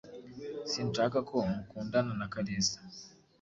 Sinshaka ko mukundana na Kalisa.